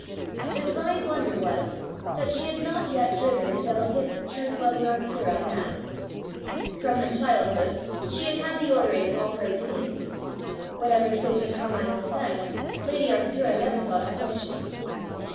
The divine wonder was, that she had not yet driven the delicate, truth loving Arctura mad. From her childhood she had had the ordering of all her opinions: whatever Sophy Carmichael said, lady Arctura never thought of questioning.